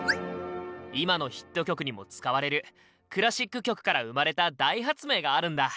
今のヒット曲にも使われるクラシック曲から生まれた大発明があるんだ。